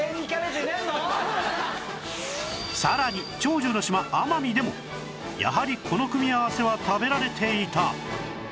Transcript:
さらに長寿の島奄美でもやはりこの組み合わせは食べられていた！